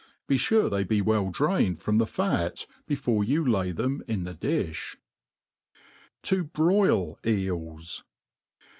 Be fttre they be well drained from tb6 fat before you by them in the diih. To broil Eels.